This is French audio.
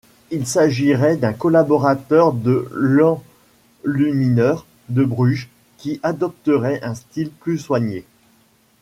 Il s'agirait d'un collaborateur de l'enlumineur de Bruges qui adopterait un style plus soigné.